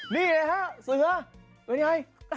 นี่แหละฮะเสื้อเป็นอย่างไร